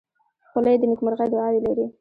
خولۍ د نیکمرغۍ دعاوې لري.